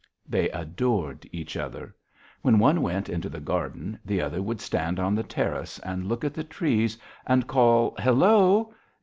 They adored each other. When one went into the garden, the other would stand on the terrace and look at the trees and call: "Hello!"